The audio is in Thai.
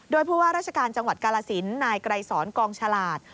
โดยผู้ว่าราชการจังหวัดกาลสินนายไกรสอนกองฉลาด